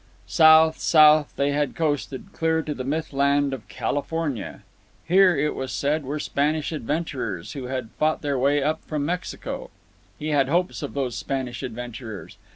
South, south they had coasted, clear to the myth land of California. Here, it was said, were Spanish adventurers who had fought their way up from Mexico. He had had hopes of those Spanish adventurers.